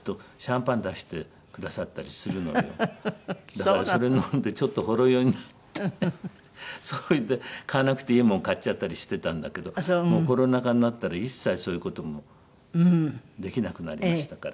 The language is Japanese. だからそれ飲んでちょっとほろ酔いになってそれで買わなくていいものを買っちゃったりしてたんだけどもうコロナ禍になったら一切そういう事もできなくなりましたから。